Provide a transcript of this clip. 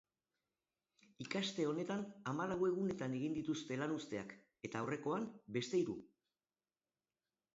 Ikaste honetan hamalau egunetan egin dituzte lanuzteak, eta aurrekoan, beste hiru.